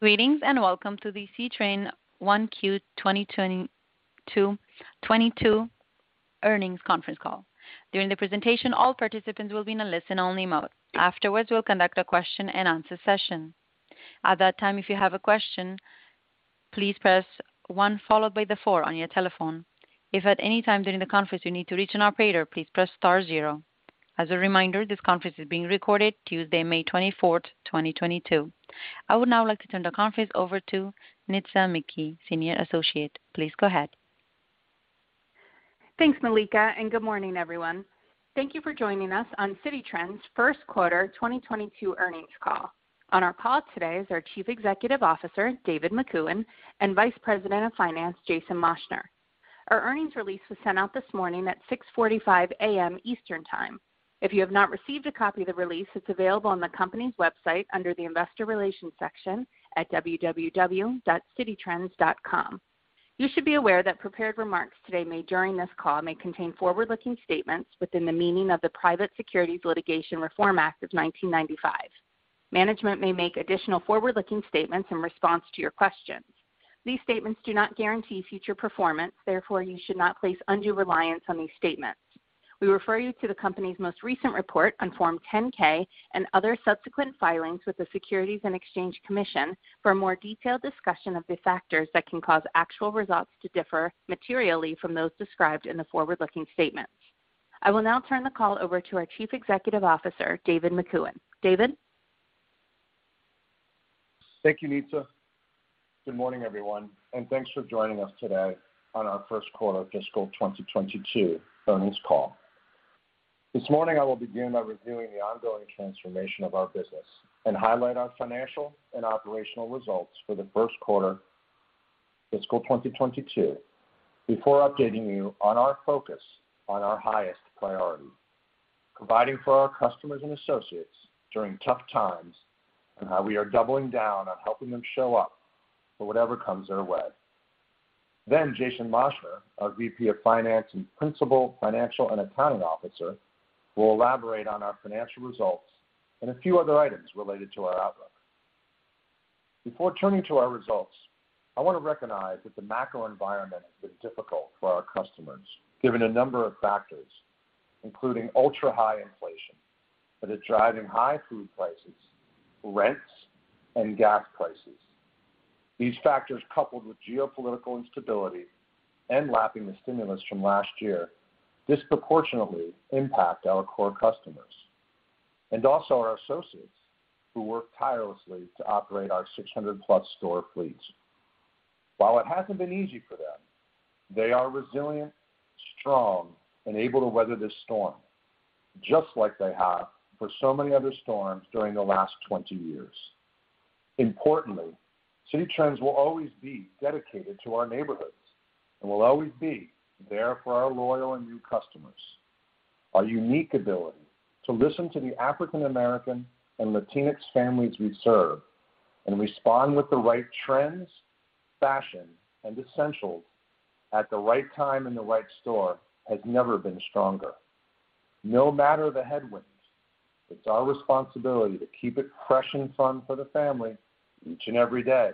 Greetings, and welcome to the Citi Trends 1Q 2022 2022 Earnings Conference Call. During the presentation, all participants will be in a listen-only mode. Afterwards, we'll conduct a question-and-answer session. At that time, if you have a question, please press one followed by the four on your telephone. If at any time during the conference you need to reach an operator, please press star zero. As a reminder, this conference is being recorded Tuesday, May 24th, 2022. I would now like to turn the conference over to Nitza McKee, Senior Associate. Please go ahead. Thanks, Malika, and good morning, everyone. Thank you for joining us on Citi Trends' Q1 2022 earnings call. On our call today is our Chief Executive Officer, David Makuen, and Vice President of Finance, Jason Moschner. Our earnings release was sent out this morning at 6:45 A.M. Eastern Time. If you have not received a copy of the release, it's available on the company's website under the Investor Relations section at www.cititrends.com. You should be aware that prepared remarks today made during this call may contain forward-looking statements within the meaning of the Private Securities Litigation Reform Act of 1995. Management may make additional forward-looking statements in response to your questions. These statements do not guarantee future performance, therefore you should not place undue reliance on these statements. We refer you to the company's most recent report on Form 10-K and other subsequent filings with the Securities and Exchange Commission for a more detailed discussion of the factors that can cause actual results to differ materially from those described in the forward-looking statements. I will now turn the call over to our Chief Executive Officer, David Makuen. David? Thank you, Nitza. Good morning, everyone, and thanks for joining us today on our Q1 fiscal 2022 earnings call. This morning, I will begin by reviewing the ongoing transformation of our business and highlight our financial and operational results for the Q1 fiscal 2022 before updating you on our focus on our highest priority, providing for our customers and associates during tough times and how we are doubling down on helping them show up for whatever comes their way. Jason Moschner, our VP of Finance and Principal Financial and Accounting Officer, will elaborate on our financial results and a few other items related to our outlook. Before turning to our results, I wanna recognize that the macro environment has been difficult for our customers, given a number of factors, including ultra-high inflation that is driving high food prices, rents, and gas prices. These factors, coupled with geopolitical instability and lapping the stimulus from last year, disproportionately impact our core customers, and also our associates who work tirelessly to operate our 600+ store fleets. While it hasn't been easy for them, they are resilient, strong, and able to weather this storm, just like they have for so many other storms during the last 20 years. Importantly, Citi Trends will always be dedicated to our neighborhoods and will always be there for our loyal and new customers. Our unique ability to listen to the African American and Latinx families we serve and respond with the right trends, fashion, and essentials at the right time in the right store has never been stronger. No matter the headwinds, it's our responsibility to keep it fresh and fun for the family each and every day.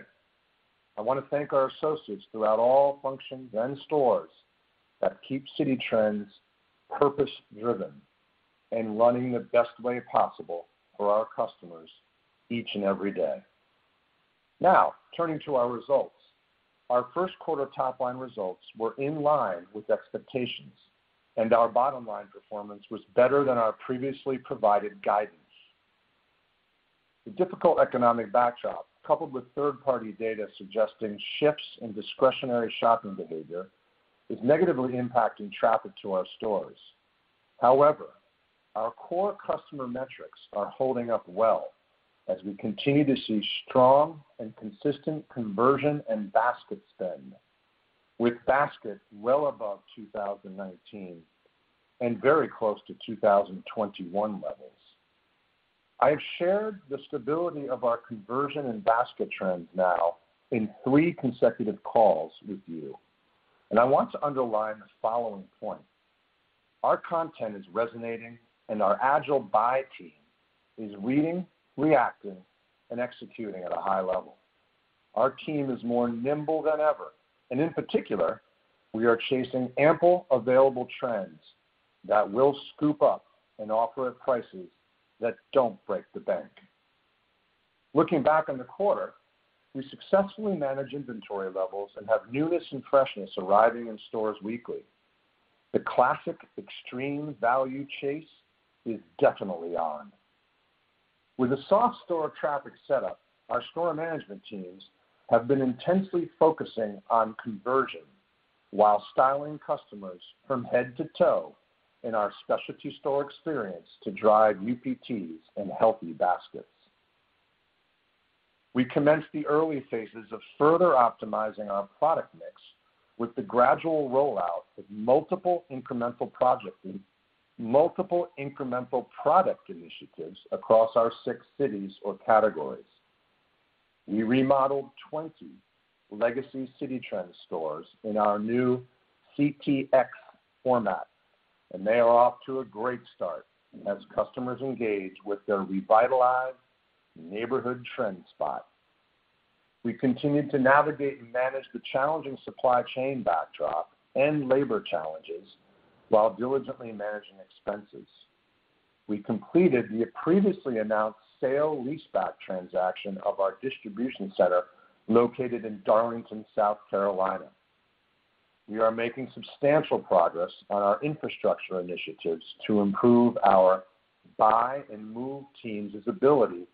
I wanna thank our associates throughout all functions and stores that keep Citi Trends purpose-driven and running the best way possible for our customers each and every day. Now, turning to our results. Our Q1 top-line results were in line with expectations, and our bottom-line performance was better than our previously provided guidance. The difficult economic backdrop, coupled with third-party data suggesting shifts in discretionary shopping behavior, is negatively impacting traffic to our stores. However, our core customer metrics are holding up well as we continue to see strong and consistent conversion and basket spend, with baskets well above 2019 and very close to 2021 levels. I have shared the stability of our conversion and basket trends now in three consecutive calls with you, and I want to underline the following point. Our content is resonating, and our agile buy team is reading, reacting, and executing at a high level. Our team is more nimble than ever, and in particular, we are chasing ample available trends that we'll scoop up and offer at prices that don't break the bank. Looking back on the quarter, we successfully manage inventory levels and have newness and freshness arriving in stores weekly. The classic extreme value chase is definitely on. With a soft store traffic setup, our store management teams have been intensely focusing on conversion while styling customers from head to toe in our specialty store experience to drive UPTs and healthy baskets. We commenced the early phases of further optimizing our product mix with the gradual rollout of multiple incremental projects and multiple incremental product initiatives across our six cities or categories. We remodeled 20 legacy Citi Trends stores in our new CTX format. They are off to a great start as customers engage with their revitalized neighborhood trend spot. We continued to navigate and manage the challenging supply chain backdrop and labor challenges while diligently managing expenses. We completed the previously announced sale leaseback transaction of our distribution center located in Darlington, South Carolina. We are making substantial progress on our infrastructure initiatives to improve our buy and move teams' ability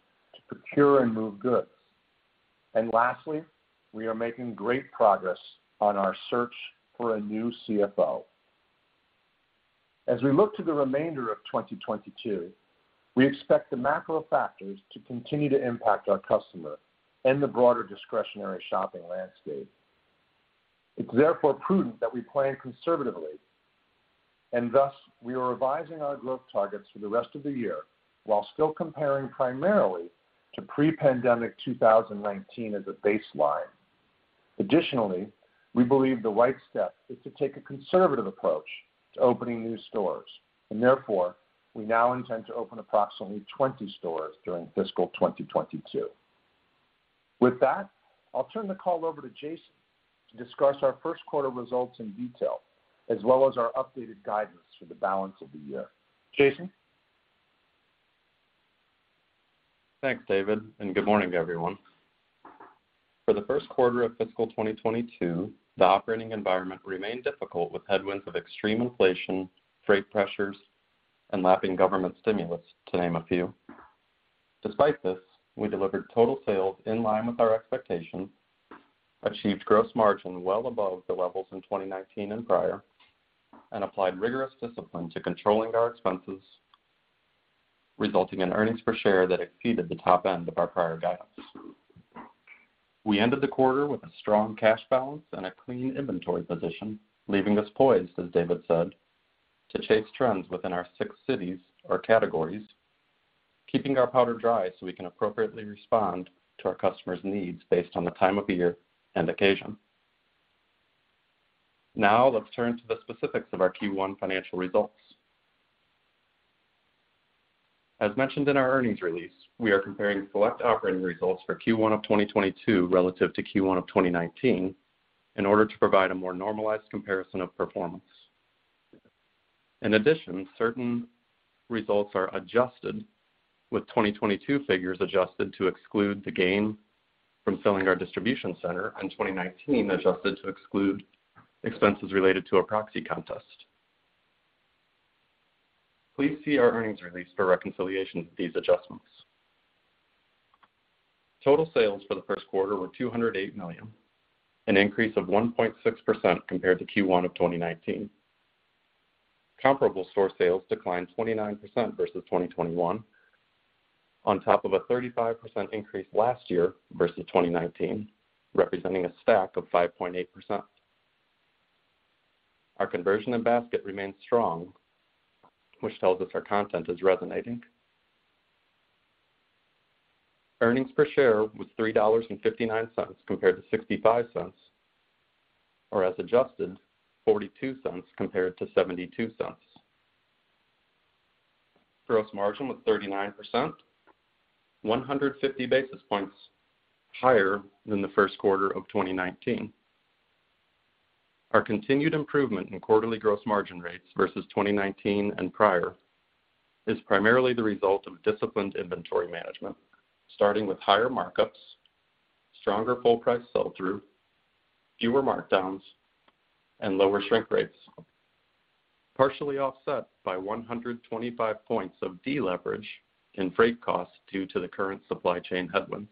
to procure and move goods. Lastly, we are making great progress on our search for a new CFO. As we look to the remainder of 2022, we expect the macro factors to continue to impact our customer and the broader discretionary shopping landscape. It's therefore prudent that we plan conservatively and thus we are revising our growth targets for the rest of the year while still comparing primarily to pre-pandemic 2019 as a baseline. Additionally, we believe the right step is to take a conservative approach to opening new stores and therefore we now intend to open approximately 20 stores during fiscal 2022. With that, I'll turn the call over to Jason to discuss our Q1 results in detail, as well as our updated guidance for the balance of the year. Jason? Thanks, David, and good morning, everyone. For the Q1 of fiscal 2022, the operating environment remained difficult with headwinds of extreme inflation, freight pressures, and lapping government stimulus, to name a few. Despite this, we delivered total sales in line with our expectations, achieved gross margin well above the levels in 2019 and prior, and applied rigorous discipline to controlling our expenses, resulting in earnings per share that exceeded the top end of our prior guidance. We ended the quarter with a strong cash balance and a clean inventory position, leaving us poised, as David said, to chase trends within our six cities or categories, keeping our powder dry so we can appropriately respond to our customers' needs based on the time of year and occasion. Now let's turn to the specifics of our Q1 financial results. As mentioned in our earnings release, we are comparing select operating results for Q1 of 2022 relative to Q1 of 2019 in order to provide a more normalized comparison of performance. In addition, certain results are adjusted, with 2022 figures adjusted to exclude the gain from selling our distribution center and 2019 adjusted to exclude expenses related to a proxy contest. Please see our earnings release for reconciliation of these adjustments. Total sales for the Q1 were $208 million, an increase of 1.6% compared to Q1 of 2019. Comparable store sales declined 29% versus 2021 on top of a 35% increase last year versus 2019, representing a stack of 5.8%. Our conversion and basket remains strong, which tells us our content is resonating. Earnings per share was $3.59 compared to $0.65, or as adjusted, $0.42 compared to $0.72. Gross margin was 39%, 150 basis points higher than the Q1 of 2019. Our continued improvement in quarterly gross margin rates versus 2019 and prior is primarily the result of disciplined inventory management, starting with higher markups, stronger full price sell-through, fewer markdowns, and lower shrink rates, partially offset by 125 points of deleverage in freight costs due to the current supply chain headwinds.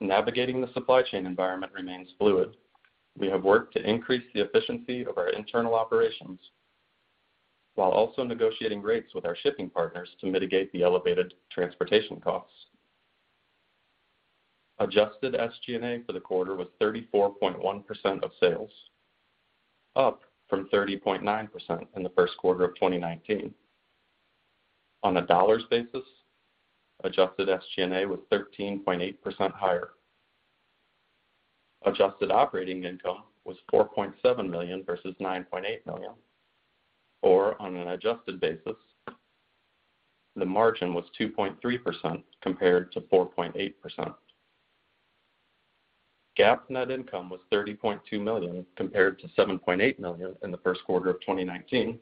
Navigating the supply chain environment remains fluid. We have worked to increase the efficiency of our internal operations while also negotiating rates with our shipping partners to mitigate the elevated transportation costs. Adjusted SG&A for the quarter was 34.1% of sales, up from 30.9% in the Q1 of 2019. On a dollars basis, adjusted SG&A was 13.8% higher. Adjusted operating income was $4.7 million versus $9.8 million, or on an adjusted basis, the margin was 2.3% compared to 4.8%. GAAP net income was $30.2 million compared to $7.8 million in the Q1 of 2019,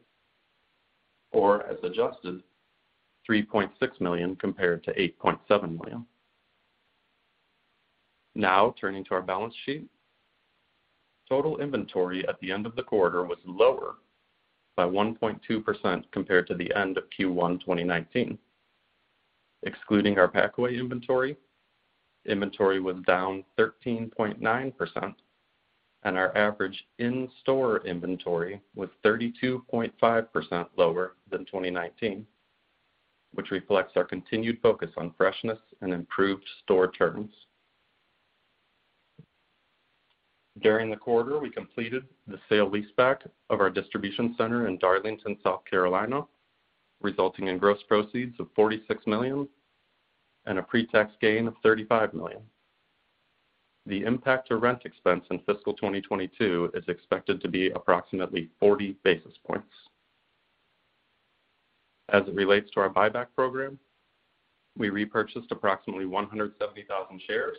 or as adjusted, $3.6 million compared to $8.7 million. Now, turning to our balance sheet. Total inventory at the end of the quarter was lower by 1.2% compared to the end of Q1 2019. Excluding our packaway inventory was down 13.9% and our average in-store inventory was 32.5% lower than 2019, which reflects our continued focus on freshness and improved store turns. During the quarter, we completed the sale leaseback of our distribution center in Darlington, South Carolina, resulting in gross proceeds of $46 million and a pre-tax gain of $35 million. The impact to rent expense in fiscal 2022 is expected to be approximately 40 basis points. As it relates to our buyback program, we repurchased approximately 170,000 shares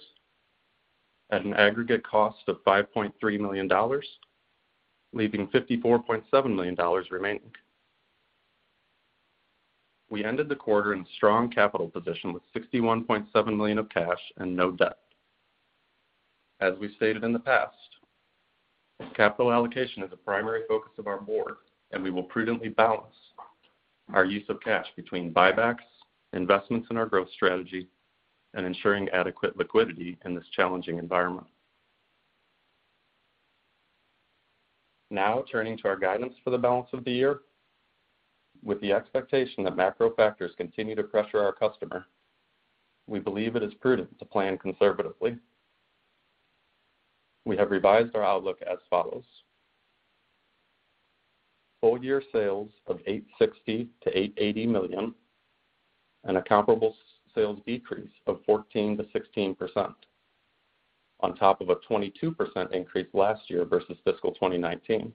at an aggregate cost of $5.3 million, leaving $54.7 million remaining. We ended the quarter in strong capital position with $61.7 million of cash and no debt. As we stated in the past, capital allocation is a primary focus of our board, and we will prudently balance our use of cash between buybacks, investments in our growth strategy, and ensuring adequate liquidity in this challenging environment. Now turning to our guidance for the balance of the year. With the expectation that macro factors continue to pressure our customer, we believe it is prudent to plan conservatively. We have revised our outlook as follows. Full year sales of $860 million-$880 million, and a comparable sales decrease of 14%-16% on top of a 22% increase last year versus fiscal 2019.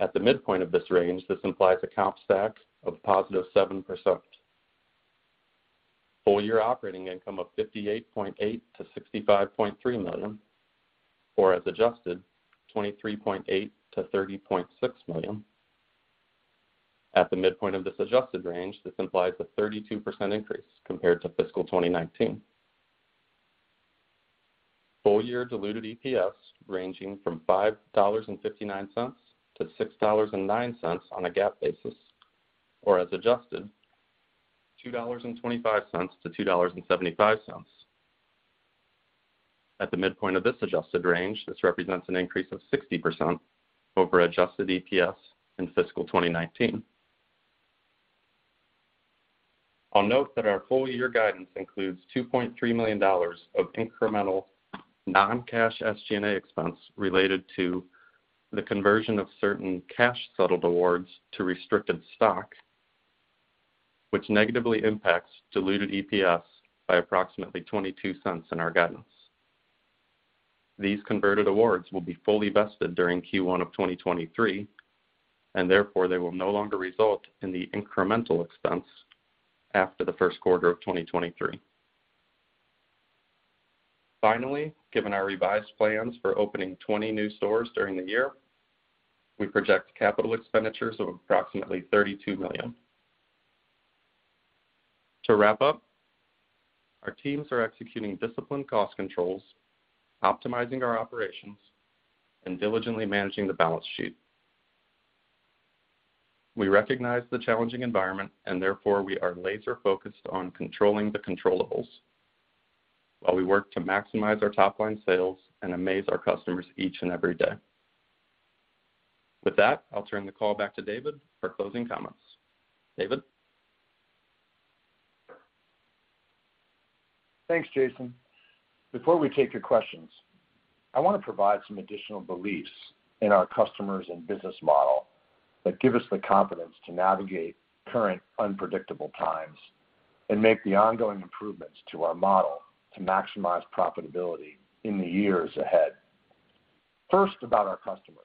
At the midpoint of this range, this implies a comp stack of +7%. Full year operating income of $58.8 million-$65.3 million. Or as adjusted, $23.8 million-$30.6 million. At the midpoint of this adjusted range, this implies a 32% increase compared to fiscal 2019. Full year diluted EPS ranging from $5.59 to $6.09 on a GAAP basis, or as adjusted, $2.25 to $2.75. At the midpoint of this adjusted range, this represents an increase of 60% over adjusted EPS in fiscal 2019. I'll note that our full year guidance includes $2.3 million of incremental non-cash SG&A expense related to the conversion of certain cash settled awards to restricted stock, which negatively impacts diluted EPS by approximately $0.22 in our guidance. These converted awards will be fully vested during Q1 of 2023, and therefore, they will no longer result in the incremental expense after the Q1 of 2023. Finally, given our revised plans for opening 20 new stores during the year, we project capital expenditures of approximately $32 million. To wrap up, our teams are executing disciplined cost controls, optimizing our operations, and diligently managing the balance sheet. We recognize the challenging environment, and therefore, we are laser focused on controlling the controllables while we work to maximize our top line sales and amaze our customers each and every day. With that, I'll turn the call back to David for closing comments. David? Thanks, Jason. Before we take your questions, I wanna provide some additional beliefs in our customers and business model that give us the confidence to navigate current unpredictable times and make the ongoing improvements to our model to maximize profitability in the years ahead. First, about our customers.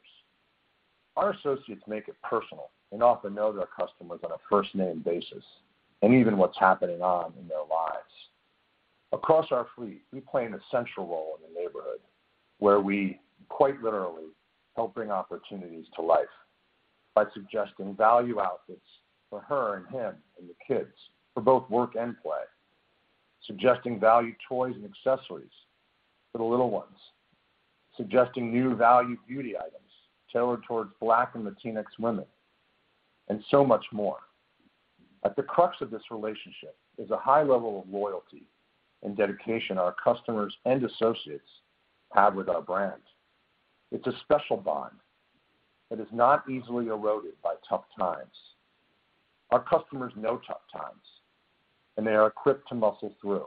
Our associates make it personal and often know their customers on a first-name basis, and even what's happening in their lives. Across our fleet, we play an essential role in the neighborhood where we quite literally help bring opportunities to life by suggesting value outfits for her and him and the kids for both work and play, suggesting value toys and accessories for the little ones, suggesting new value beauty items tailored towards Black and Latinx women, and so much more. At the crux of this relationship is a high level of loyalty and dedication our customers and associates have with our brand. It's a special bond that is not easily eroded by tough times. Our customers know tough times, and they are equipped to muscle through.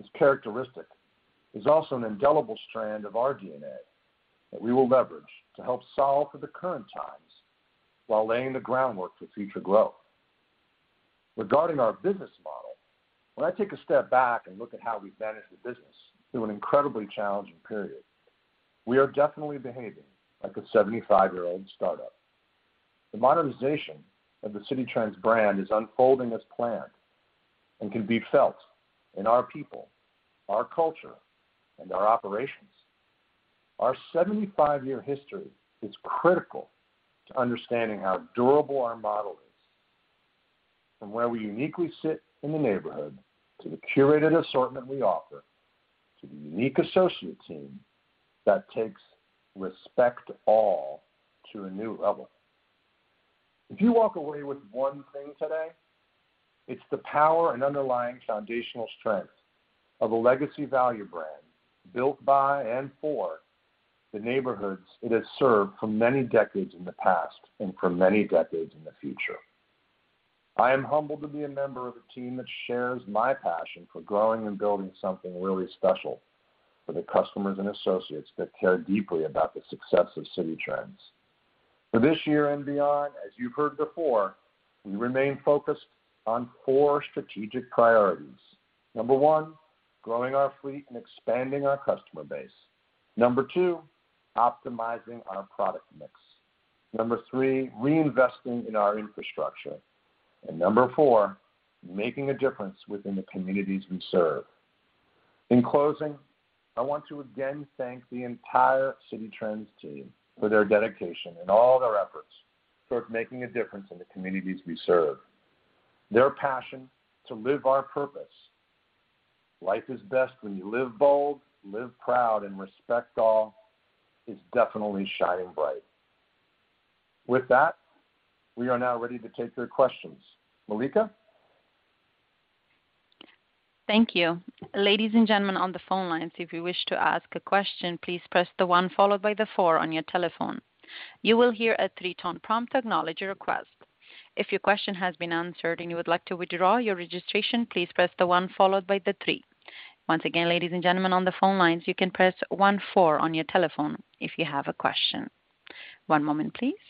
This characteristic is also an indelible strand of our DNA that we will leverage to help solve for the current times while laying the groundwork for future growth. Regarding our business model, when I take a step back and look at how we've managed the business through an incredibly challenging period, we are definitely behaving like a 75-year-old startup. The modernization of the Citi Trends brand is unfolding as planned and can be felt in our people, our culture, and our operations. Our 75-year history is critical to understanding how durable our model is, from where we uniquely sit in the neighborhood, to the curated assortment we offer, to the unique associate team that takes respect all to a new level. If you walk away with one thing today, it's the power and underlying foundational strength of a legacy value brand built by and for the neighborhoods it has served for many decades in the past and for many decades in the future. I am humbled to be a member of a team that shares my passion for growing and building something really special for the customers and associates that care deeply about the success of Citi Trends. For this year and beyond, as you've heard before, we remain focused on four strategic priorities. Number one, growing our fleet and expanding our customer base. Number two, optimizing our product mix. Number three, reinvesting in our infrastructure. Number four, making a difference within the communities we serve. In closing, I want to again thank the entire Citi Trends team for their dedication and all their efforts towards making a difference in the communities we serve. Their passion to live our purpose. Life is best when you live bold, live proud, and respect all is definitely shining bright. With that, we are now ready to take your questions. Malika? Thank you. Ladies and gentlemen on the phone lines, if you wish to ask a question, please press the one followed by the four on your telephone. You will hear a three-tone prompt acknowledge your request. If your question has been answered and you would like to withdraw your registration, please press the one followed by the three. Once again, ladies and gentlemen on the phone lines, you can press one four on your telephone if you have a question. One moment please.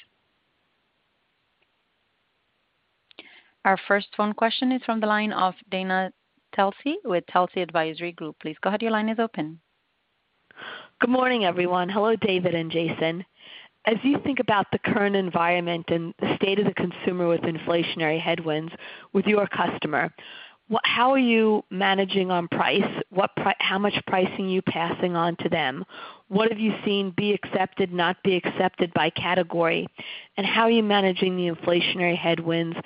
Our first phone question is from the line of Dana Telsey with Telsey Advisory Group. Please go ahead, your line is open. Good morning, everyone. Hello, David and Jason. As you think about the current environment and the state of the consumer with inflationary headwinds with your customer, how are you managing on price? How much pricing are you passing on to them? What have you seen be accepted, not be accepted by category? And how are you managing the inflationary headwinds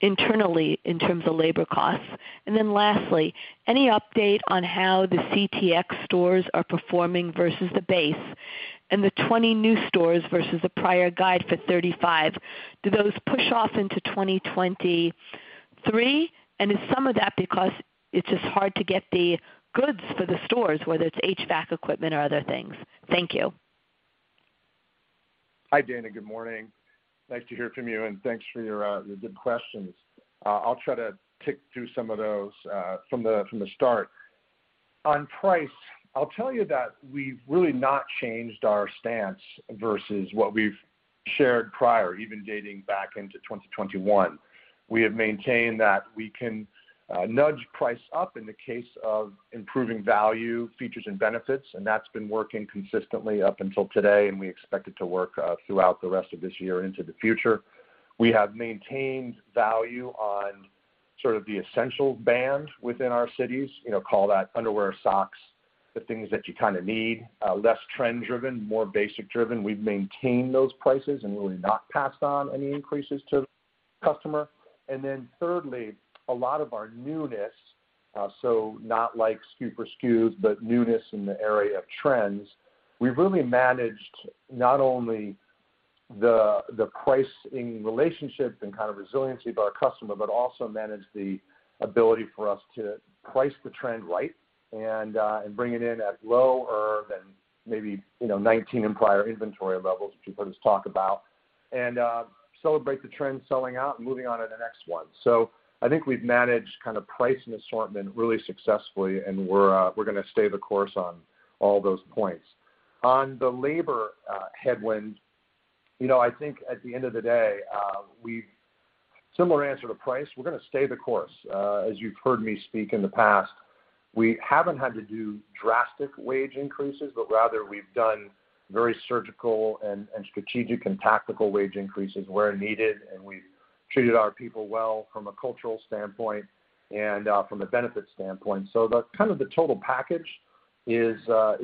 internally in terms of labor costs? And then lastly, any update on how the CTX stores are performing versus the base and the 20 new stores versus the prior guide for 35? Do those push off into 2023? And is some of that because it's just hard to get the goods for the stores, whether it's HVAC equipment or other things? Thank you. Hi, Dana. Good morning. Nice to hear from you, and thanks for your good questions. I'll try to tick through some of those from the start. On price, I'll tell you that we've really not changed our stance versus what we've shared prior, even dating back into 2021. We have maintained that we can nudge price up in the case of improving value, features, and benefits, and that's been working consistently up until today, and we expect it to work throughout the rest of this year into the future. We have maintained value on sort of the essential brands within our six cities, you know, call that underwear, socks, the things that you kind of need, less trend driven, more basic driven. We've maintained those prices, and we've not passed on any increases to the customer. Thirdly, a lot of our newness, so not like super SKUs, but newness in the area of trends, we've really managed not only the price in relationships and kind of resiliency of our customer, but also managed the ability for us to price the trend right and bring it in at lower than maybe, you know, 2019 and prior inventory levels, which you've heard us talk about, and celebrate the trend selling out and moving on to the next one. I think we've managed kind of price and assortment really successfully, and we're gonna stay the course on all those points. On the labor headwind, you know, I think at the end of the day, similar answer to price. We're gonna stay the course, as you've heard me speak in the past. We haven't had to do drastic wage increases, but rather we've done very surgical and strategic and tactical wage increases where needed, and we've treated our people well from a cultural standpoint and from a benefit standpoint. The kind of the total package is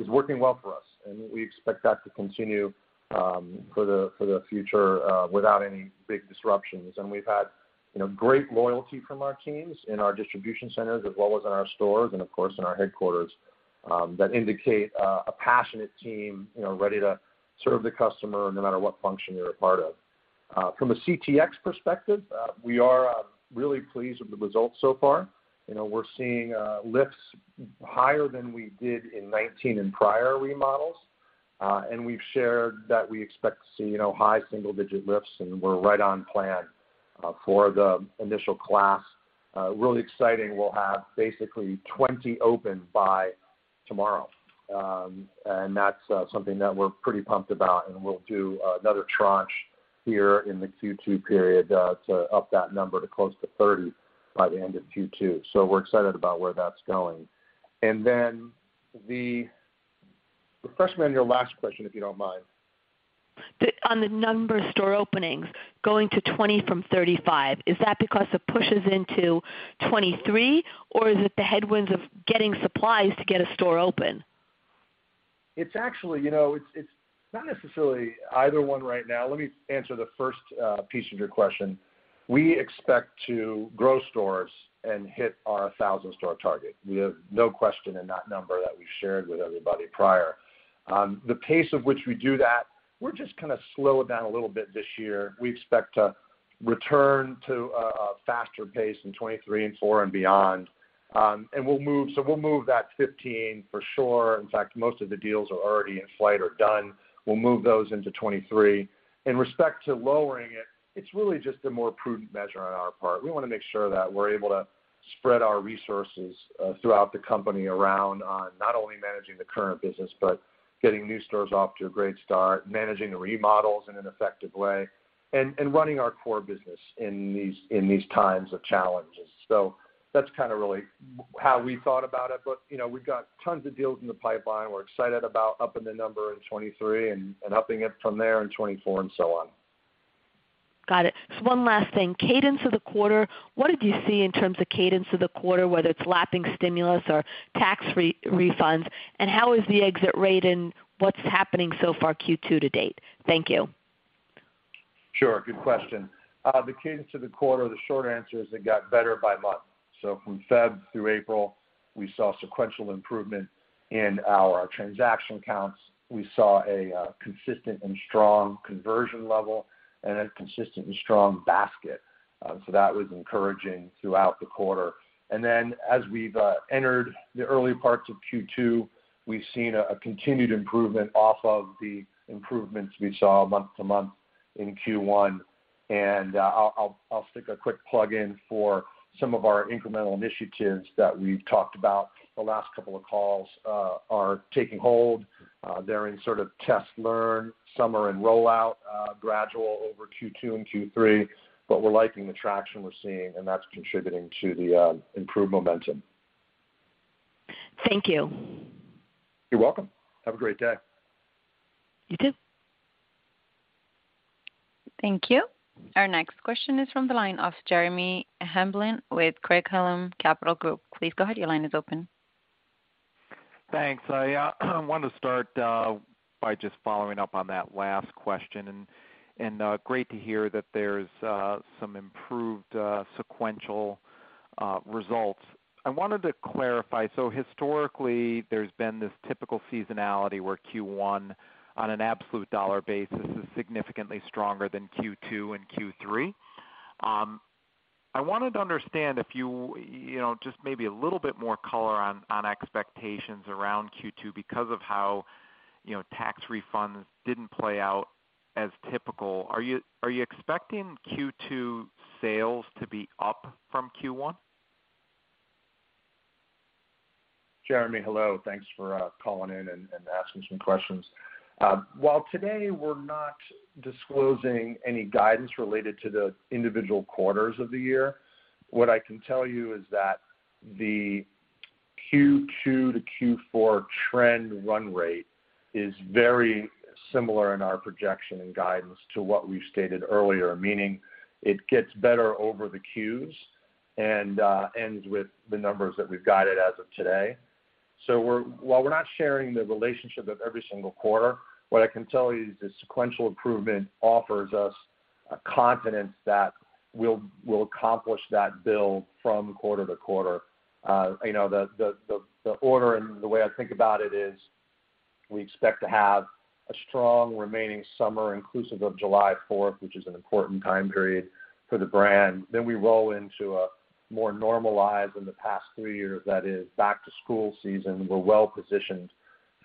working well for us, and we expect that to continue for the future without any big disruptions. We've had you know great loyalty from our teams in our distribution centers as well as in our stores and of course in our headquarters that indicate a passionate team, you know, ready to serve the customer no matter what function they're a part of. From a CTX perspective, we are really pleased with the results so far. You know, we're seeing lifts higher than we did in 19 and prior remodels. We've shared that we expect to see, you know, high single-digit lifts, and we're right on plan for the initial class. Really exciting, we'll have basically 20 open by tomorrow. That's something that we're pretty pumped about, and we'll do another tranche here in the Q2 period to up that number to close to 30 by the end of Q2. We're excited about where that's going. Refresh me on your last question, if you don't mind. On the number of store openings going to 20 from 35, is that because it pushes into 2023, or is it the headwinds of getting supplies to get a store open? It's actually, you know, it's not necessarily either one right now. Let me answer the first piece of your question. We expect to grow stores and hit our 1,000-store target. We have no question in that number that we've shared with everybody prior. The pace of which we do that, we're just gonna slow it down a little bit this year. We expect to return to a faster pace in 2023 and 2024 and beyond. We'll move that 15 for sure. In fact, most of the deals are already in flight or done. We'll move those into 2023. In respect to lowering it's really just a more prudent measure on our part. We wanna make sure that we're able to spread our resources throughout the company around on not only managing the current business but getting new stores off to a great start, managing the remodels in an effective way and running our core business in these times of challenges. That's kinda really how we thought about it. You know, we've got tons of deals in the pipeline. We're excited about upping the number in 2023 and upping it from there in 2024, and so on. Got it. One last thing. Cadence of the quarter, what did you see in terms of cadence of the quarter, whether it's lapping stimulus or tax refunds, and how is the exit rate and what's happening so far Q2 to date? Thank you. Sure, good question. The cadence of the quarter, the short answer is it got better by month. From February through April, we saw sequential improvement in our transaction counts. We saw a consistent and strong conversion level and a consistent and strong basket. That was encouraging throughout the quarter. As we've entered the early parts of Q2, we've seen a continued improvement off of the improvements we saw month-to-month in Q1. I'll stick a quick plug in for some of our incremental initiatives that we've talked about the last couple of calls are taking hold. They're in sort of test learn. Some are in rollout, gradual over Q2 and Q3, but we're liking the traction we're seeing, and that's contributing to the improved momentum. Thank you. You're welcome. Have a great day. You too. Thank you. Our next question is from the line of Jeremy Hamblin with Craig-Hallum Capital Group. Please go ahead. Your line is open. Thanks. I want to start by just following up on that last question and great to hear that there's some improved sequential results. I wanted to clarify. Historically, there's been this typical seasonality where Q1 on an absolute dollar basis is significantly stronger than Q2 and Q3. I wanted to understand if you know just maybe a little bit more color on expectations around Q2 because of how you know tax refunds didn't play out as typical. Are you expecting Q2 sales to be up from Q1? Jeremy, hello. Thanks for calling in and asking some questions. While today we're not disclosing any guidance related to the individual quarters of the year, what I can tell you is that the Q2 to Q4 trend run rate is very similar in our projection and guidance to what we've stated earlier, meaning it gets better over the Qs and ends with the numbers that we've guided as of today. While we're not sharing the relationship of every single quarter, what I can tell you is the sequential improvement offers us a confidence that we'll accomplish that build from quarter to quarter. You know, the order and the way I think about it is we expect to have a strong remaining summer inclusive of July 4th, which is an important time period for the brand. We roll into a more normalized than in the past three years, that is, back to school season. We're well positioned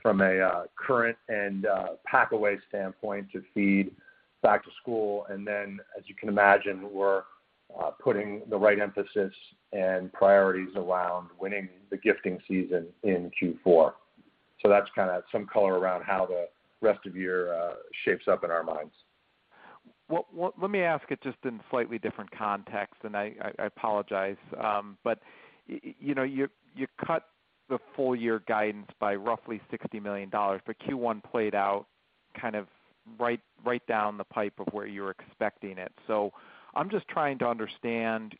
from a current and packaway standpoint to feed back to school. As you can imagine, we're putting the right emphasis and priorities around winning the gifting season in Q4. That's kinda some color around how the rest of year shapes up in our minds. Well, let me ask it just in slightly different context, and I apologize. You know, you cut the full year guidance by roughly $60 million, but Q1 played out kind of right down the pipe of where you're expecting it. I'm just trying to understand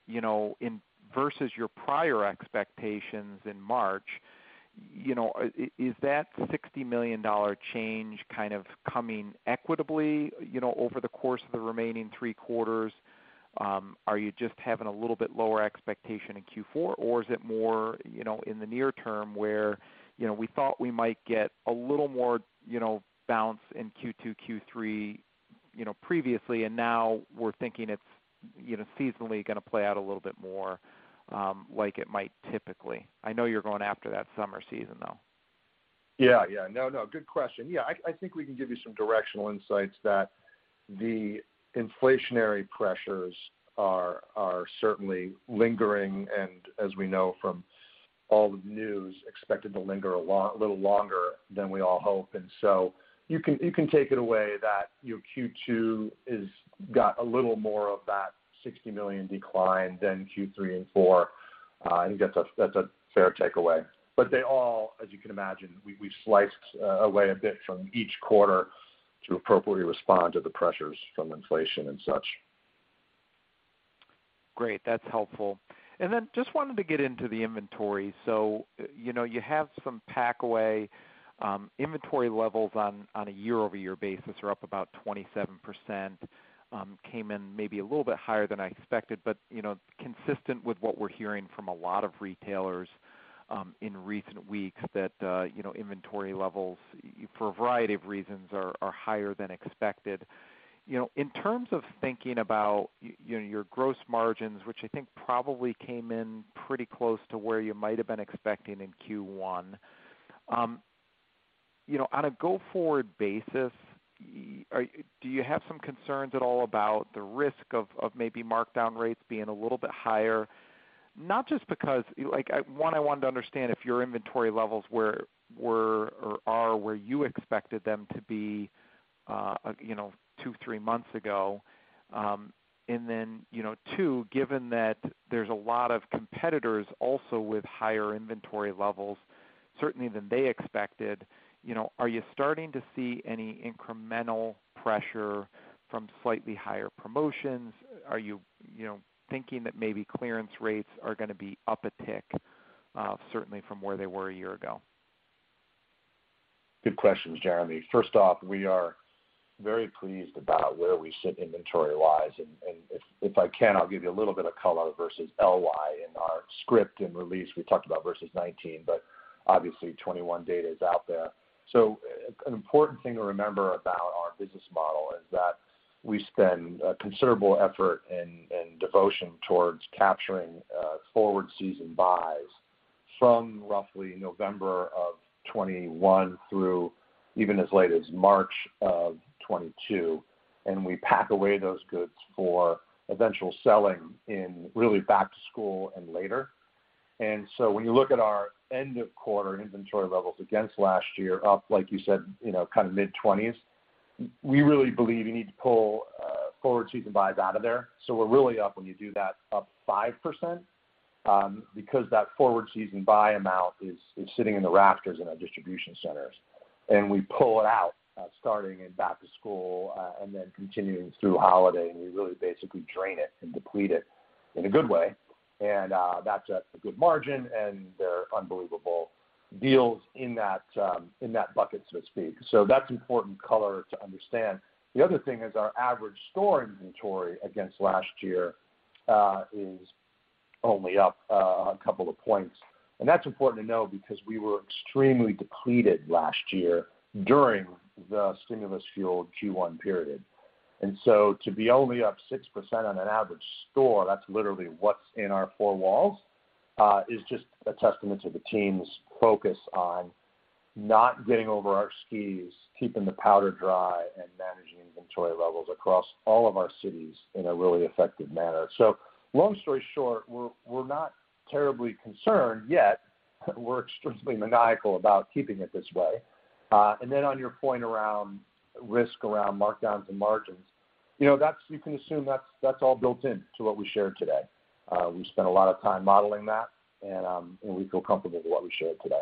versus your prior expectations in March, you know, is that $60 million change kind of coming equitably, you know, over the course of the remaining three quarters? Are you just having a little bit lower expectation in Q4? Is it more, you know, in the near term where, you know, we thought we might get a little more, you know, bounce in Q2, Q3, you know, previously, and now we're thinking it's, you know, seasonally gonna play out a little bit more like it might typically. I know you're going after that summer season, though. Good question. I think we can give you some directional insights that the inflationary pressures are certainly lingering, and as we know from all the news, expected to linger a little longer than we all hope. You can take it away that your Q2 is got a little more of that $60 million decline than Q3 and Q4. I think that's a fair takeaway. They all, as you can imagine, we sliced away a bit from each quarter to appropriately respond to the pressures from inflation and such. Great. That's helpful. Then just wanted to get into the inventory. You know, you have some packaway inventory levels on a year-over-year basis are up about 27%. Came in maybe a little bit higher than I expected, but you know, consistent with what we're hearing from a lot of retailers in recent weeks that you know, inventory levels for a variety of reasons are higher than expected. You know, in terms of thinking about you know, your gross margins, which I think probably came in pretty close to where you might have been expecting in Q1. You know, on a go forward basis, do you have some concerns at all about the risk of maybe markdown rates being a little bit higher? Not just because, like, one, I wanted to understand if your inventory levels were or are where you expected them to be, you know, two to three months ago. You know, two, given that there's a lot of competitors also with higher inventory levels, certainly than they expected, you know, are you starting to see any incremental pressure from slightly higher promotions? Are you know, thinking that maybe clearance rates are gonna be up a tick, certainly from where they were a year ago? Good questions, Jeremy. First off, we are very pleased about where we sit inventory-wise. If I can, I'll give you a little bit of color versus LY. In our script and release, we talked about versus 2019, but obviously 2021 data is out there. An important thing to remember about our business model is that we spend a considerable effort and devotion towards capturing forward season buys from roughly November 2021 through even as late as March 2022. We pack away those goods for eventual selling in really back to school and later. When you look at our end of quarter inventory levels against last year, up, like you said, you know, kind of mid-20s%, we really believe you need to pull forward season buys out of there. We're really up when you do that, up 5%, because that forward season buy amount is sitting in the rafters in our distribution centers. We pull it out, starting in back to school, and then continuing through holiday, and we really basically drain it and deplete it in a good way. That's at a good margin, and there are unbelievable deals in that bucket, so to speak. That's important color to understand. The other thing is our average store inventory against last year is only up a couple of points. That's important to know because we were extremely depleted last year during the stimulus fueled Q1 period. To be only up 6% on an average store, that's literally what's in our four walls, is just a testament to the team's focus on not getting over our skis, keeping the powder dry and managing inventory levels across all of our cities in a really effective manner. Long story short, we're not terribly concerned yet. We're extremely maniacal about keeping it this way. On your point around risk around markdowns and margins, you know, you can assume that's all built into what we shared today. We spent a lot of time modeling that, and we feel comfortable with what we shared today.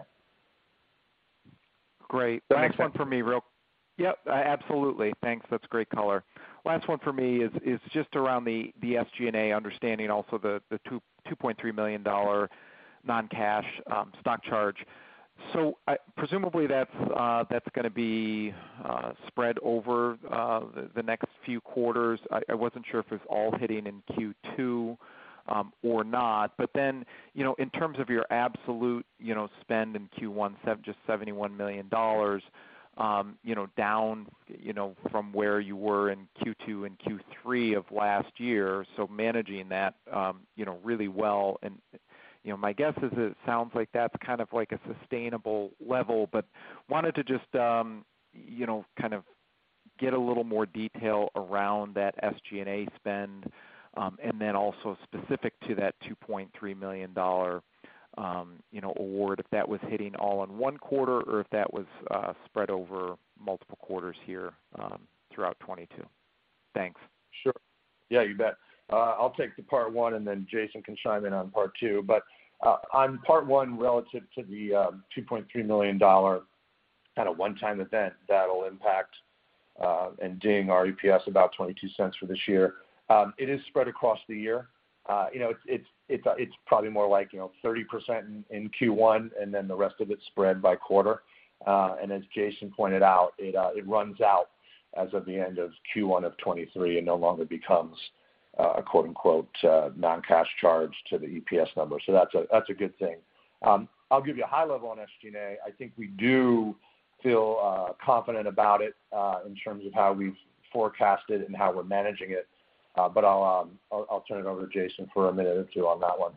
Great. Last one for me. Does that make sense? Yep, absolutely. Thanks. That's great color. Last one for me is just around the SG&A understanding, also the $2.3 million non-cash stock charge. Presumably, that's gonna be spread over the next few quarters. I wasn't sure if it was all hitting in Q2 or not. You know, in terms of your absolute, you know, spend in Q1, just $71 million, you know, down, you know, from where you were in Q2 and Q3 of last year, so managing that, you know, really well. You know, my guess is it sounds like that's kind of like a sustainable level. Wanted to just, you know, kind of get a little more detail around that SG&A spend. Also specific to that $2.3 million, you know, award, if that was hitting all in one quarter or if that was spread over multiple quarters here, throughout 2022? Thanks. Sure. Yeah, you bet. I'll take part one, and then Jason can chime in on part two. On part one, relative to the $2.3 million kind of one-time event that'll impact and ding our EPS about $0.22 for this year, it is spread across the year. You know, it's probably more like, you know, 30% in Q1, and then the rest of it spread by quarter. As Jason pointed out, it runs out as of the end of Q1 of 2023 and no longer becomes a quote-unquote "non-cash charge" to the EPS number. That's a good thing. I'll give you a high level on SG&A. I think we do feel confident about it in terms of how we forecast it and how we're managing it. I'll turn it over to Jason for a minute or two on that one.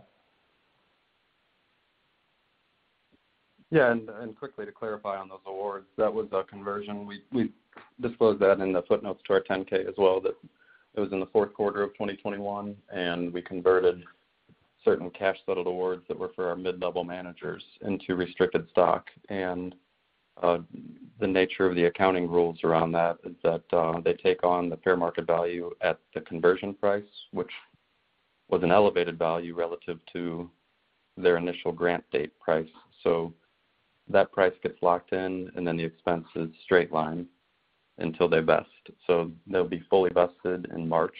Yeah, quickly to clarify on those awards, that was a conversion. We disclosed that in the footnotes to our 10-K as well, that it was in the Q4 of 2021, and we converted certain cash settled awards that were for our mid-level managers into restricted stock. The nature of the accounting rules around that is that they take on the fair market value at the conversion price, which was an elevated value relative to their initial grant date price. That price gets locked in, and then the expense is straight lined until they vest. They'll be fully vested in March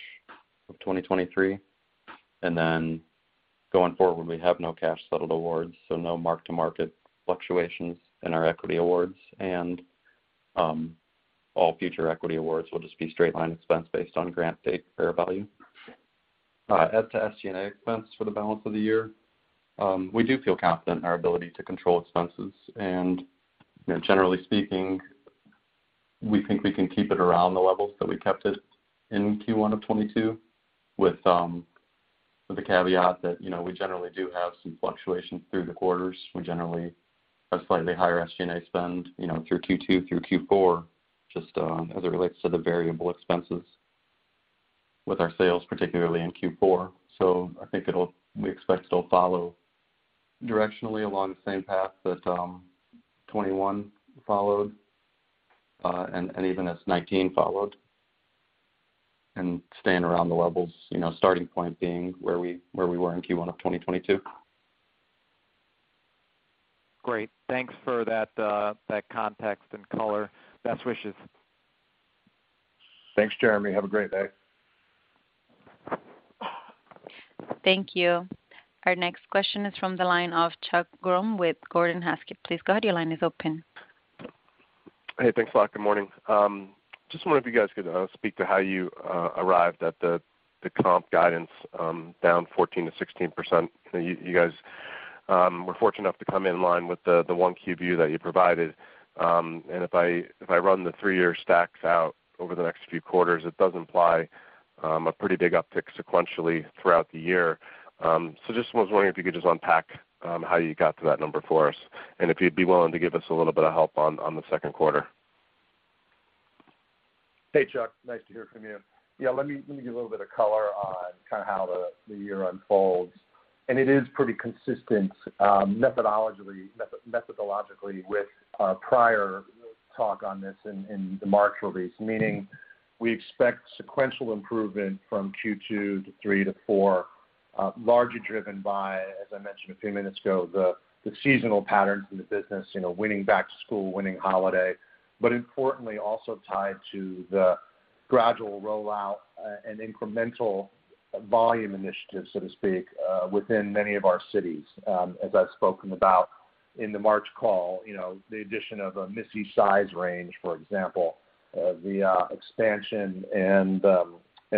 of 2023. Going forward, we have no cash settled awards, so no mark-to-market fluctuations in our equity awards. All future equity awards will just be straight line expense based on grant date fair value. As to SG&A expense for the balance of the year, we do feel confident in our ability to control expenses. You know, generally speaking We think we can keep it around the levels that we kept it in Q1 of 2022 with the caveat that, you know, we generally do have some fluctuations through the quarters. We generally have slightly higher SG&A spend, you know, through Q2 through Q4, just as it relates to the variable expenses with our sales, particularly in Q4. We expect it'll follow directionally along the same path that 2021 followed, and even as 2019 followed, and staying around the levels, you know, starting point being where we were in Q1 of 2022. Great. Thanks for that, context and color. Best wishes. Thanks, Jeremy. Have a great day. Thank you. Our next question is from the line of Chuck Grom with Gordon Haskett. Please go ahead, your line is open. Hey, thanks a lot. Good morning. Just wondering if you guys could speak to how you arrived at the comp guidance down 14%-16%. You guys were fortunate enough to come in line with the 1Q view that you provided. If I run the three-year stacks out over the next few quarters, it does imply a pretty big uptick sequentially throughout the year. Just was wondering if you could just unpack how you got to that number for us, and if you'd be willing to give us a little bit of help on the Q2. Hey, Chuck, nice to hear from you. Yeah, let me give a little bit of color on kinda how the year unfolds. It is pretty consistent methodologically with prior talk on this in the March release, meaning we expect sequential improvement from Q2 to Q3 to Q4, largely driven by, as I mentioned a few minutes ago, the seasonal pattern from the business, you know, winning back to school, winning holiday, but importantly also tied to the gradual rollout and incremental volume initiatives, so to speak, within many of our cities. As I've spoken about in the March call, you know, the addition of a Missy size range, for example, the expansion and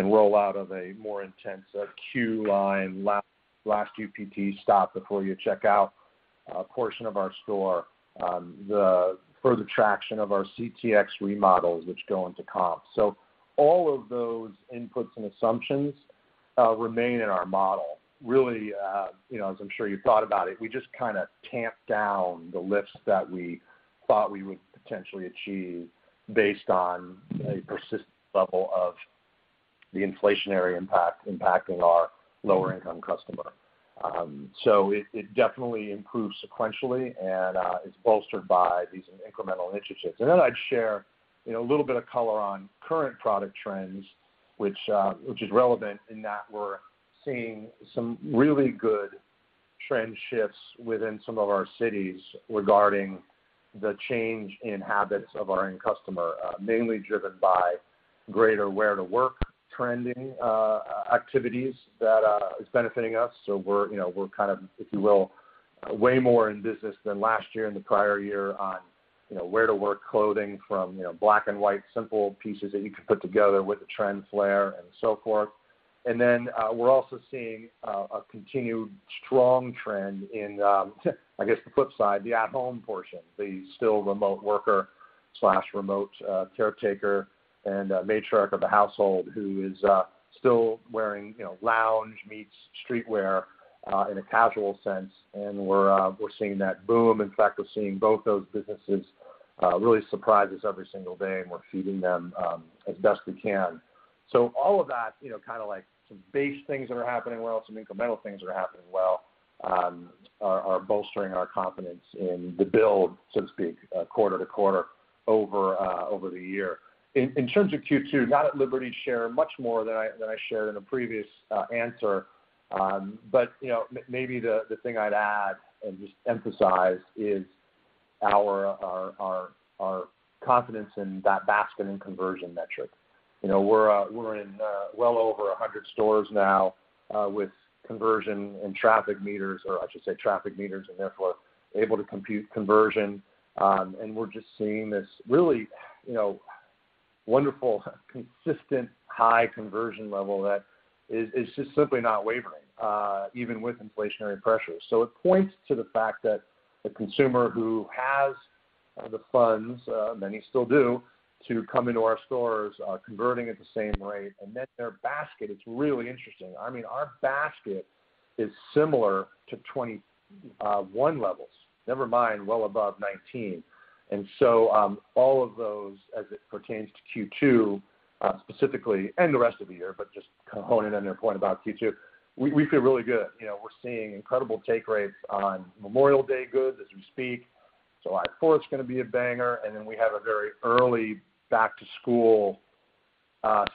rollout of a more intense queue line last UPT stop before you check out portion of our store, the further traction of our CTX remodels which go into comps. All of those inputs and assumptions remain in our model. Really, you know, as I'm sure you've thought about it, we just kinda tamped down the lifts that we thought we would potentially achieve based on a persistent level of the inflationary impact impacting our lower income customer. It definitely improves sequentially and is bolstered by these incremental initiatives. Then I'd share, you know, a little bit of color on current product trends, which is relevant in that we're seeing some really good trend shifts within some of our cities regarding the change in habits of our end customer, mainly driven by greater wear-to-work trending activities that is benefiting us. So we're, you know, we're kind of, if you will, way more in business than last year and the prior year on, you know, wear-to-work clothing from, you know, black and white simple pieces that you can put together with a trend flare and so forth. We're also seeing a continued strong trend in, I guess the flip side, the at-home portion, the still remote worker/remote, caretaker and, matriarch of the household who is, still wearing, you know, lounge meets streetwear, in a casual sense. We're seeing that boom. In fact, we're seeing both those businesses really surprise us every single day, and we're feeding them as best we can. All of that, you know, kinda like some base things that are happening well, some incremental things that are happening well, are bolstering our confidence in the build, so to speak, quarter to quarter over the year. In terms of Q2, not at liberty to share much more than I shared in a previous answer. You know, maybe the thing I'd add and just emphasize is our confidence in that basket and conversion metric. You know, we're in well over 100 stores now with conversion and traffic meters, or I should say traffic meters and therefore able to compute conversion. We're just seeing this really, you know, wonderful, consistent high conversion level that is just simply not wavering, even with inflationary pressures. It points to the fact that the consumer who has the funds, many still do, to come into our stores, are converting at the same rate. Then their basket, it's really interesting. I mean, our basket is similar to 2021 levels, never mind well above 2019. All of those, as it pertains to Q2, specifically and the rest of the year, but just kind of honing in on your point about Q2, we feel really good. You know, we're seeing incredible take rates on Memorial Day goods as we speak. July Fourth's gonna be a banger, and then we have a very early back to school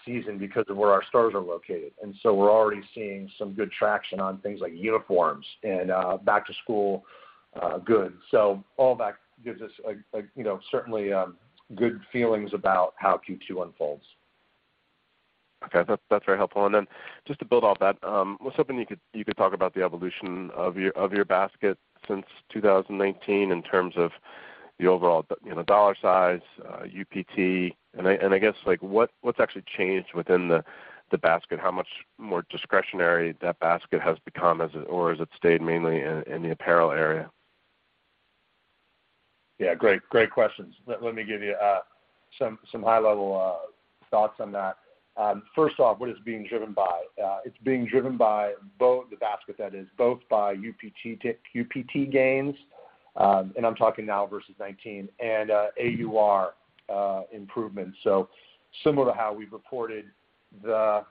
season because of where our stores are located. We're already seeing some good traction on things like uniforms and back to school goods. So all that gives us, like, you know, certainly good feelings about how Q2 unfolds. Okay. That's very helpful. Then just to build off that, I was hoping you could talk about the evolution of your basket since 2019 in terms of the overall, you know, dollar size, UPT, and I guess, like, what's actually changed within the basket. How much more discretionary that basket has become as it or has it stayed mainly in the apparel area? Yeah, great questions. Let me give you some high level thoughts on that. First off, what it's being driven by. It's being driven by both the basket that is, both by UPT gains, and I'm talking now versus 2019 and AUR improvements. Similar to how we've reported the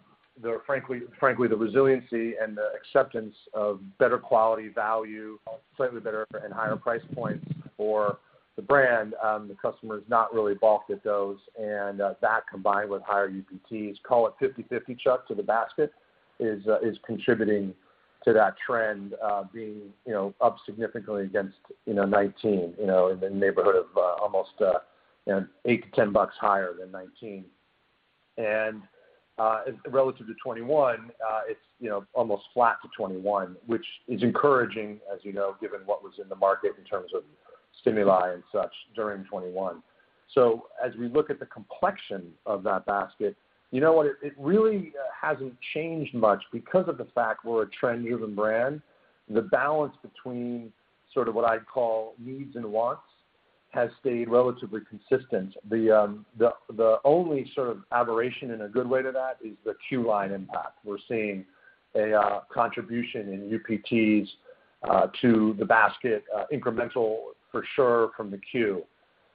frankly the resiliency and the acceptance of better quality value, slightly better and higher price points for the brand, the customer's not really balked at those, and that combined with higher UPTs, call it 50/50, Chuck, to the basket, is contributing to that trend being up significantly against 2019 in the neighborhood of almost $8-$10 higher than 2019. Relative to 2021, it's, you know, almost flat to 2021, which is encouraging, as you know, given what was in the market in terms of stimuli and such during 2021. As we look at the complexion of that basket, you know what? It really hasn't changed much because of the fact we're a trend-driven brand. The balance between sort of what I'd call needs and wants has stayed relatively consistent. The only sort of aberration in a good way to that is the queue line impact. We're seeing a contribution in UPTs to the basket, incremental for sure from the queue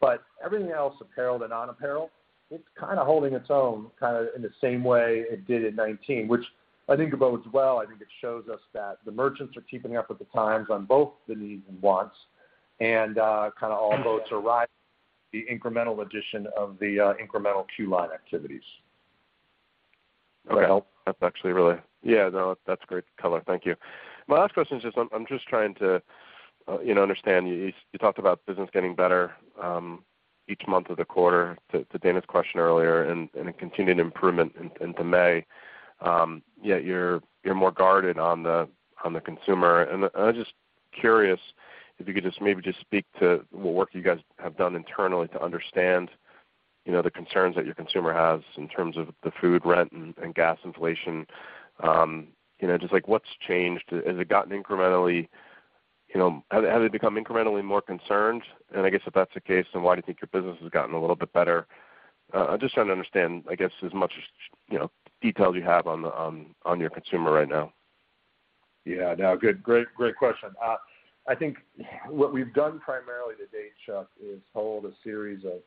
line. But everything else, apparel to non-apparel, it's kinda holding its own, kinda in the same way it did in 2019, which I think bodes well. I think it shows us that the merchants are keeping up with the times on both the needs and wants and, kinda all boats rise with the incremental addition of the incremental queue line activities. Does that help? That's actually really. Yeah, no, that's great color. Thank you. My last question is just I'm just trying to you know understand. You talked about business getting better each month of the quarter to Dana's question earlier and a continued improvement into May. Yet you're more guarded on the consumer. I'm just curious if you could just maybe just speak to what work you guys have done internally to understand you know the concerns that your consumer has in terms of the food, rent and gas inflation. You know just like what's changed? Has it gotten incrementally. You know have they become incrementally more concerned? I guess if that's the case then why do you think your business has gotten a little bit better? I'm just trying to understand, I guess, as much as, you know, details you have on your consumer right now. Great question. I think what we've done primarily to date, Chuck, is hold a series of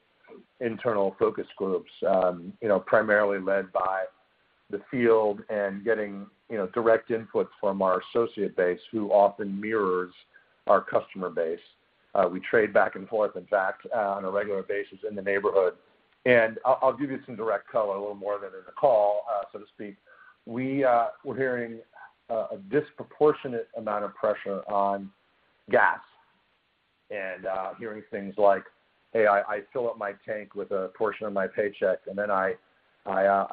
internal focus groups, you know, primarily led by the field and getting, you know, direct input from our associate base who often mirrors our customer base. We trade back and forth, in fact, on a regular basis in the neighborhood. I'll give you some direct color, a little more than in the call, so to speak. We're hearing a disproportionate amount of pressure on gas and hearing things like, "Hey, I fill up my tank with a portion of my paycheck, and then I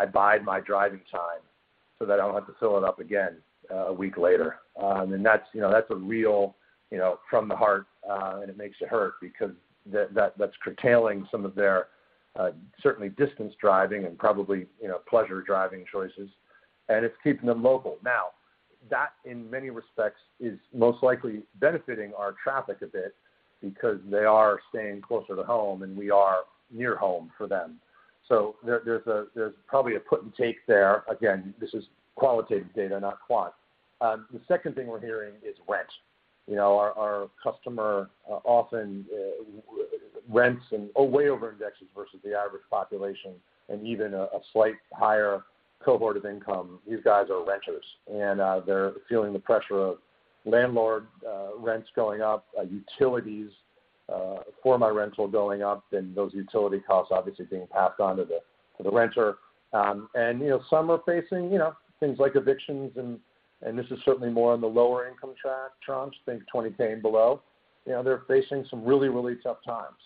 bide my driving time so that I don't have to fill it up again a week later." And that's, you know, that's a real, you know, from the heart, and it makes it hurt because that's curtailing some of their certainly distance driving and probably, you know, pleasure driving choices, and it's keeping them local. Now, that in many respects is most likely benefiting our traffic a bit because they are staying closer to home and we are near home for them. There's probably a put and take there. Again, this is qualitative data, not quant. The second thing we're hearing is rent. You know, our customer often rents and way over indexes versus the average population and even a slight higher cohort of income. These guys are renters, and they're feeling the pressure of landlord rents going up, utilities for my rental going up, and those utility costs obviously being passed on to the renter. You know, some are facing you know things like evictions and this is certainly more on the lower income tranche, think $20K and below. You know, they're facing some really tough times.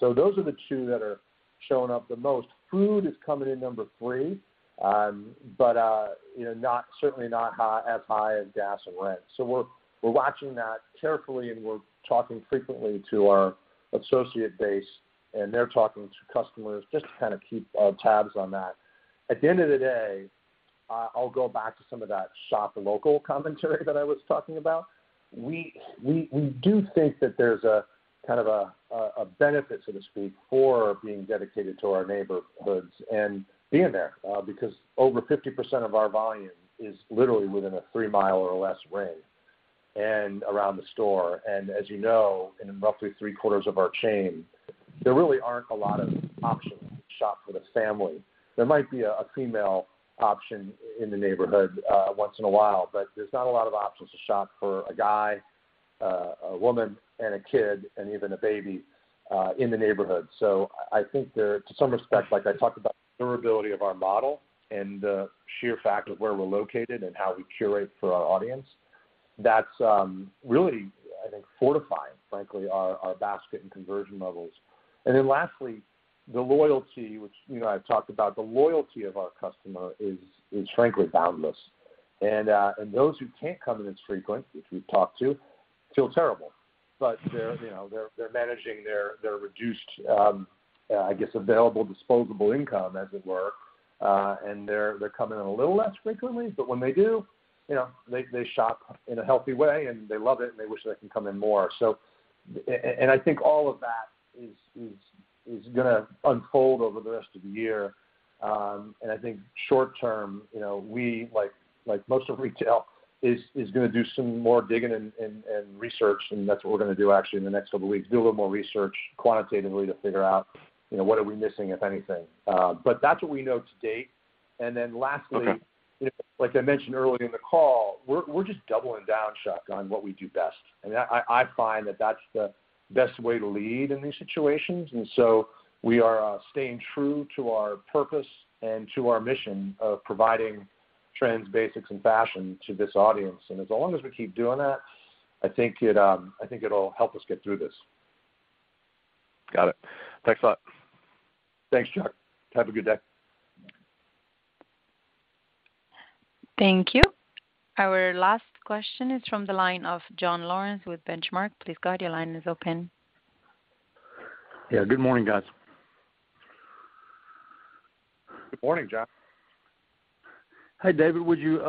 Those are the two that are showing up the most. Food is coming in number three, but you know, certainly not as high as gas and rent. We're watching that carefully, and we're talking frequently to our associate base, and they're talking to customers just to kind of keep tabs on that. At the end of the day, I'll go back to some of that shop local commentary that I was talking about. We do think that there's a kind of benefit, so to speak, for being dedicated to our neighborhoods and being there, because over 50% of our volume is literally within a three-mile or less range and around the store. As you know, in roughly three-quarters of our chain, there really aren't a lot of options to shop for the family. There might be a female option in the neighborhood once in a while, but there's not a lot of options to shop for a guy, a woman and a kid and even a baby in the neighborhood. I think there to some extent, like I talked about the durability of our model and the sheer fact of where we're located and how we curate for our audience, that's really, I think, fortifying, frankly, our basket and conversion levels. Then lastly, the loyalty, which, you know, I've talked about the loyalty of our customer is frankly boundless. Those who can't come in as frequent, which we've talked to, feel terrible. They're, you know, managing their reduced, I guess, available disposable income, as it were. And they're coming in a little less frequently, but when they do, you know, they shop in a healthy way, and they love it, and they wish they can come in more. I think all of that is gonna unfold over the rest of the year. I think short term, you know, we, like most of retail, is gonna do some more digging and research, and that's what we're gonna do actually in the next couple weeks, do a little more research quantitatively to figure out, you know, what are we missing, if anything. That's what we know to date. Then lastly, like I mentioned earlier in the call, we're just doubling down, Chuck, on what we do best. I find that that's the best way to lead in these situations. We are staying true to our purpose and to our mission of providing trends, basics, and fashion to this audience. As long as we keep doing that, I think it'll help us get through this. Got it. Thanks a lot. Thanks, Chuck. Have a good day. Thank you. Our last question is from the line of John Lawrence with Benchmark. Please go ahead, your line is open. Yeah, good morning, guys. Good morning, John. Hi, David. Would you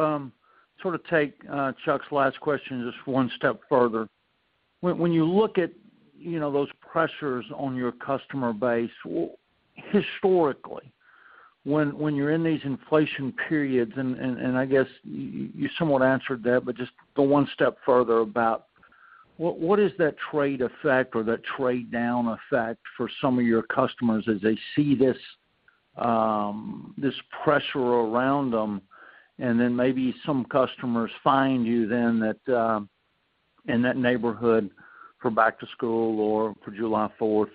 sort of take Chuck's last question just one step further? When you look at, you know, those pressures on your customer base, well, historically, when you're in these inflation periods, and I guess you somewhat answered that, but just go one step further about what is that trade effect or that trade down effect for some of your customers as they see this pressure around them, and then maybe some customers find you then that in that neighborhood for back to school or for July Fourth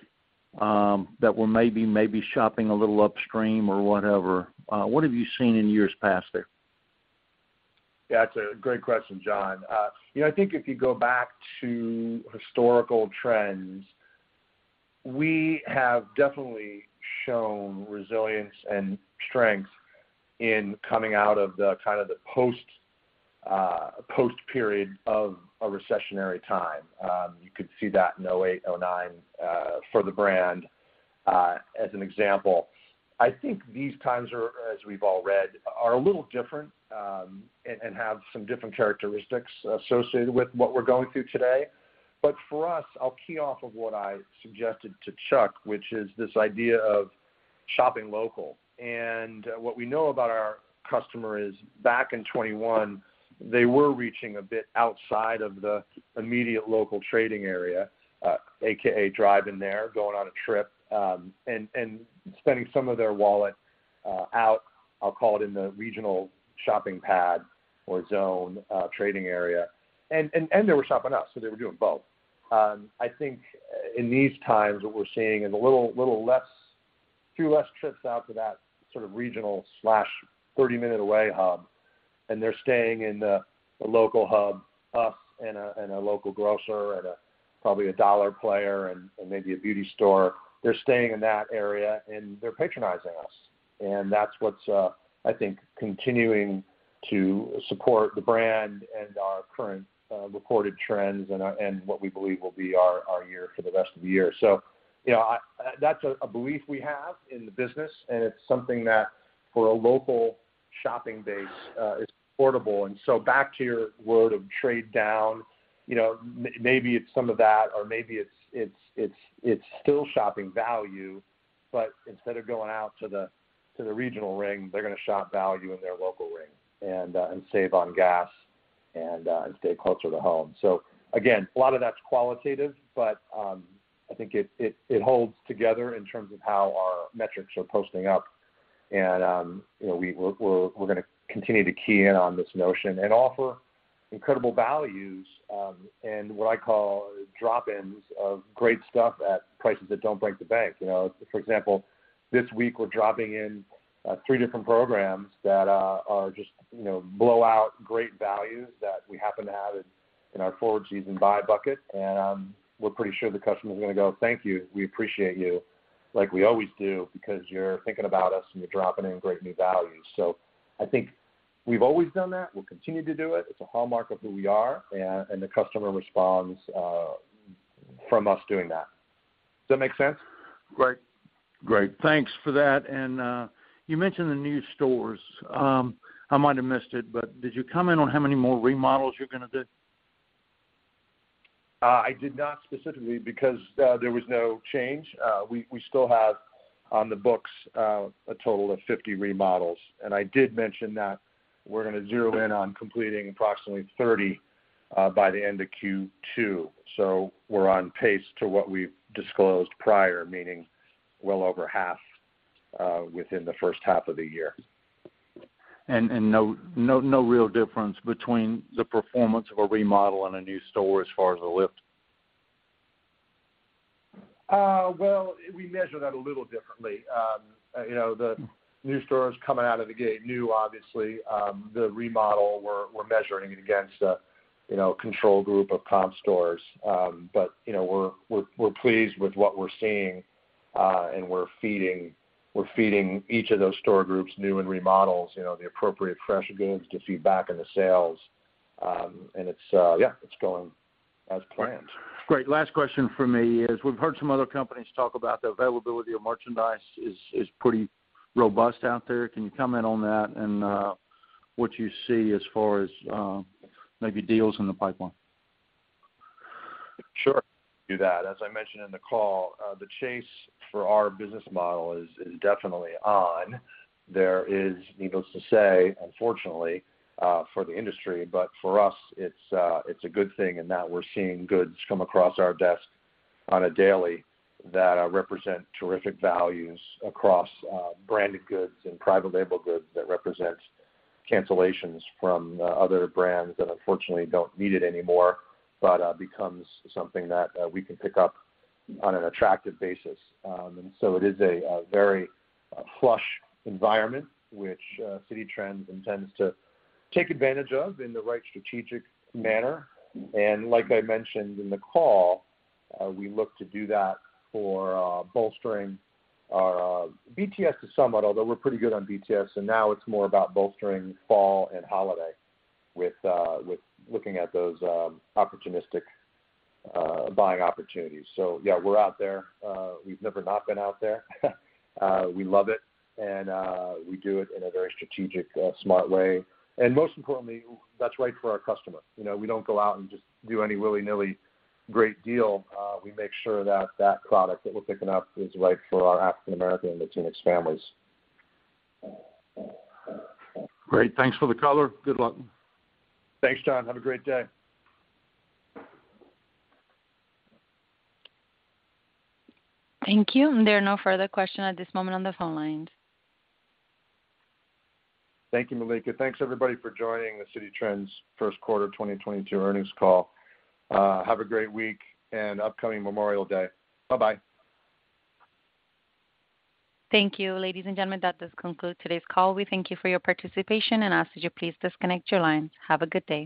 that were maybe shopping a little upstream or whatever. What have you seen in years past there? Yeah, that's a great question, John. You know, I think if you go back to historical trends, we have definitely shown resilience and strength in coming out of the post period of a recessionary time. You could see that in 2008, 2009, for the brand, as an example. I think these times are, as we've all read, a little different, and have some different characteristics associated with what we're going through today. For us, I'll key off of what I suggested to Chuck, which is this idea of shopping local. What we know about our customer is back in 2021, they were reaching a bit outside of the immediate local trading area, aka driving there, going on a trip, and spending some of their wallet out, I'll call it in the regional shopping pad or zone, trading area. They were shopping us, so they were doing both. I think in these times, what we're seeing is a few less trips out to that sort of regional, thirty-minute-away hub, and they're staying in a local hub, us and a local grocer, probably a dollar player, and maybe a beauty store. They're staying in that area, and they're patronizing us. That's what's, I think, continuing to support the brand and our current reported trends and what we believe will be our year for the rest of the year. You know, that's a belief we have in the business, and it's something that for a local shopping base is affordable. Back to your word of trade down, you know, maybe it's some of that or maybe it's still shopping value. Instead of going out to the regional ring, they're gonna shop value in their local ring and save on gas and stay closer to home. Again, a lot of that's qualitative, but I think it holds together in terms of how our metrics are posting up. We're gonna continue to key in on this notion and offer incredible values, and what I call drop-ins of great stuff at prices that don't break the bank. For example, this week, we're dropping in three different programs that are just blow out great values that we happen to have in our forward season buy bucket. We're pretty sure the customer is gonna go, "Thank you. We appreciate you like we always do because you're thinking about us, and you're dropping in great new value." I think we've always done that. We'll continue to do it. It's a hallmark of who we are and the customer responds from us doing that. Does that make sense? Right. Great. Thanks for that. You mentioned the new stores. I might have missed it, but did you comment on how many more remodels you're gonna do? I did not specifically because there was no change. We still have on the books a total of 50 remodels. I did mention that we're gonna zero in on completing approximately 30 by the end of Q2. We're on pace to what we've disclosed prior, meaning well over half within the first half of the year. No real difference between the performance of a remodel and a new store as far as the lift. Well, we measure that a little differently. You know, the new store is coming out of the gate new, obviously. The remodel we're measuring it against a you know, control group of comp stores. You know, we're pleased with what we're seeing, and we're feeding each of those store groups new and remodels you know, the appropriate fresh goods to feed back in the sales. It's yeah, it's going well. Great. Last question for me is we've heard some other companies talk about the availability of merchandise is pretty robust out there. Can you comment on that and what you see as far as maybe deals in the pipeline? Sure. Do that. As I mentioned in the call, the chase for our business model is definitely on. There is, needless to say, unfortunately, for the industry, but for us, it's a good thing in that we're seeing goods come across our desk on a daily that represent terrific values across, branded goods and private label goods that represent cancellations from, other brands that unfortunately don't need it anymore, but becomes something that we can pick up on an attractive basis. It is a very flush environment which Citi Trends intends to take advantage of in the right strategic manner. Like I mentioned in the call, we look to do that for bolstering our BTS is somewhat, although we're pretty good on BTS, and now it's more about bolstering fall and holiday with looking at those, opportunistic, buying opportunities. Yeah, we're out there. We've never not been out there. We love it, and, we do it in a very strategic, smart way. Most importantly, that's right for our customer. You know, we don't go out and just do any willy-nilly great deal. We make sure that that product that we're picking up is right for our African-American and Latinx families. Great. Thanks for the color. Good luck. Thanks, John. Have a great day. Thank you. There are no further questions at this moment on the phone lines. Thank you, Malika. Thanks, everybody, for joining the Citi Trends Q1 2022 Earnings Call. Have a great week and upcoming Memorial Day. Bye-bye. Thank you. Ladies and gentlemen, that does conclude today's call. We thank you for your participation and ask that you please disconnect your lines. Have a good day.